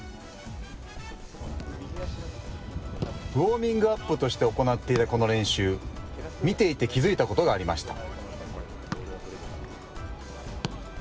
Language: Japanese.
ウォーミングアップとして行っていたこの練習、見ていて気付いたことがありました。